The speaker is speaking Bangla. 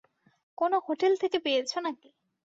কোন হোটেল থেকে পেয়েছ নাকি?